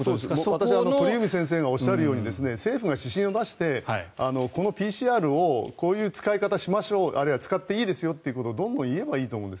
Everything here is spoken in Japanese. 私は鳥海先生がおっしゃるように政府が指針を出してＰＣＲをこういう使い方をしましょうあるいは使っていいですよとどんどん言えばいいんです。